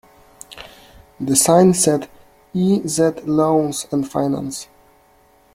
The sign said E Z Loans and Finance.